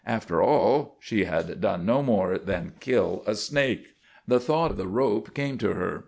After all, she had done no more than kill a snake. The thought of the rope came to her.